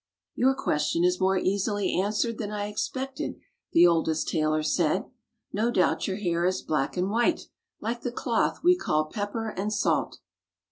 "Your question is more easily answered than I expected," the oldest tailor said. " No doubt your hair is black and white like the cloth we call pepper and salt."